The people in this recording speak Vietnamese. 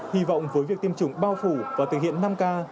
hy vọng với việc tiêm chủng bao phủ và thực hiện năm k